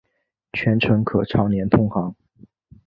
全程可常年通航。